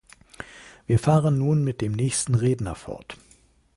Wir fahren nun mit dem nächsten Redner fort.